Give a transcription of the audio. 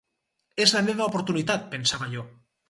És la meva oportunitat, pensava jo.